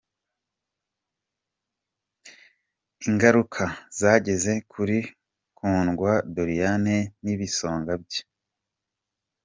Ingaruka zageze kuri Kundwa Doriane n’ibisonga bye.